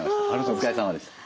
お疲れさまでした。